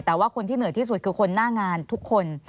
แต่ว่าคนที่เหนื่อยที่สุดคือคนหน้างานทุกคน